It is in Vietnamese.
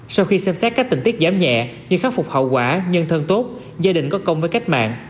sau khi xem xét các tình tiết giảm nhẹ như khắc phục hậu quả nhân thân tốt gia đình có công với cách mạng